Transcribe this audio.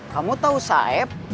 kamu tahu saeb